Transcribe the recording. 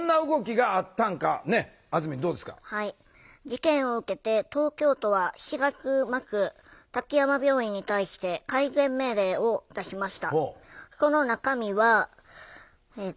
事件を受けて東京都は４月末滝山病院に対して改善命令を出しました。